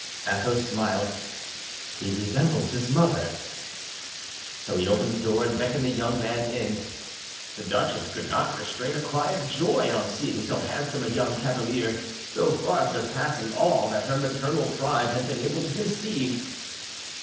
Athos smiled. "He resembles his mother." So he opened the door and beckoned the young man in. The duchess could not restrain a cry of joy on seeing so handsome a young cavalier, so far surpassing all that her maternal pride had been able to conceive.